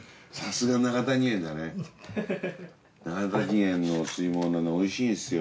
永谷園のお吸い物おいしいんですよ。